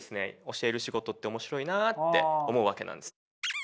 教える仕事って面白いなあって思うわけなんです。